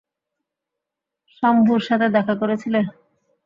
সাম্ভুর সাথে দেখা করেছিলে?